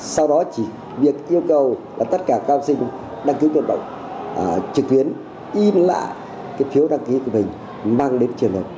sau đó chỉ việc yêu cầu tất cả các học sinh đăng ký tuyển bộng trực tuyến im lại phiếu đăng ký của mình mang đến trường hợp